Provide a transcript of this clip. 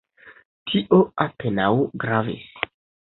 Tio apenaŭ gravis.